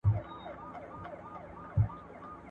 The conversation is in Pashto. حکومت به ټول اغیزمن عوامل پیاوړي کړي وي.